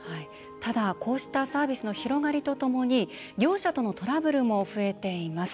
ただ、こうしたサービスの広がりとともに業者とのトラブルも増えています。